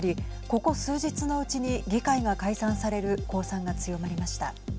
ここ数日のうちに議会が解散される公算が強まりました。